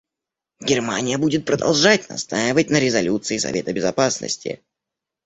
Германия будет продолжать настаивать на резолюции Совета Безопасности.